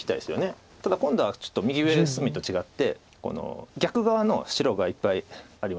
ただ今度はちょっと右上隅と違って逆側の白がいっぱいありますけど。